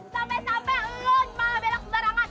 sampai sampai lo malah belok kebarangan